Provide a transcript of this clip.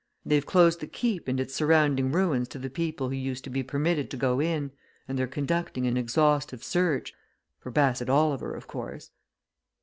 They've closed the Keep and its surrounding ruins to the people who used to be permitted to go in, and they're conducting an exhaustive search for Bassett Oliver, of course."